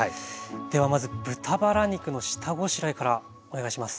ではまず豚バラ肉の下ごしらえからお願いします。